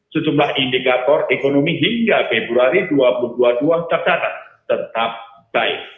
sejumlah indikator ekonomi hingga februari dua ribu dua puluh dua tercatat tetap baik